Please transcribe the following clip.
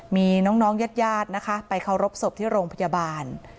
มีน้องญาติญาตินะคะไปเคารพศพที่โรงพยาบาล